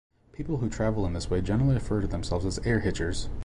People who travel in this way generally refer to themselves as Airhitchers.